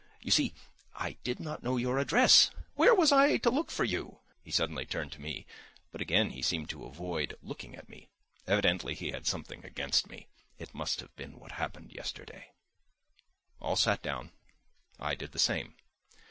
You see, I did not know your address, where was I to look for you?" he suddenly turned to me, but again he seemed to avoid looking at me. Evidently he had something against me. It must have been what happened yesterday. All sat down; I did the same.